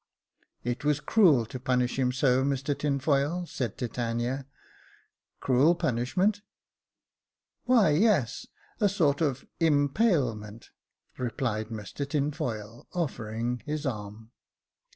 " It was cruel to punish him so, Mr Tinfoil," said Titania. " Cruel punishment. Why, yes j a sort of impailment ^'* replied Mr Tinfoil, offering his arm.